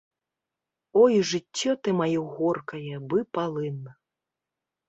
Ой, жыццё ты маё горкае, бы палын!